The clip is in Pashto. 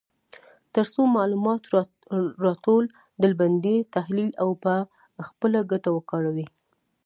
تر څو معلومات راټول، ډلبندي، تحلیل او په خپله ګټه وکاروي.